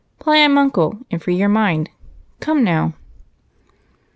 Play I'm Uncle and free your mind come now."